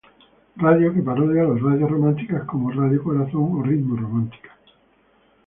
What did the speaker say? Radio que parodia las radios románticas como Radio Corazón o Ritmo Romántica.